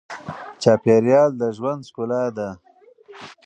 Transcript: چاپېریال د ژوند ښکلا ده.